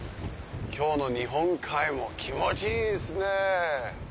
今日の日本海も気持ちいいですね。